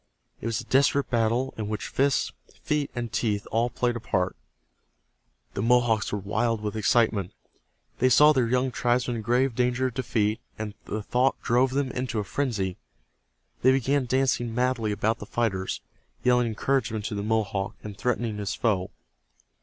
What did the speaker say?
It was a desperate battle in which fists, feet and teeth all played a part. The Mohawks were wild with excitement. They saw their young tribesman in grave danger of defeat, and the thought drove them into a frenzy. They began dancing madly about the fighters, yelling encouragement to the Mohawk, and threatening his foe.